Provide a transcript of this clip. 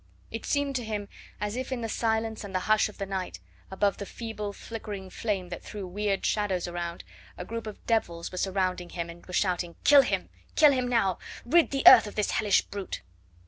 It seemed to him as if in the silence and the hush of the night, above the feeble, flickering flame that threw weird shadows around, a group of devils were surrounding him, and were shouting, "Kill him! Kill him now! Rid the earth of this hellish brute!"